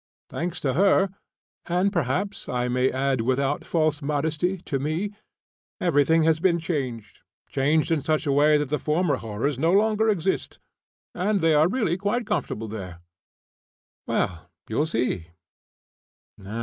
Thanks to her and, perhaps I may add without false modesty, to me everything has been changed, changed in such a way that the former horrors no longer exist, and they are really quite comfortable there. Well, you'll see.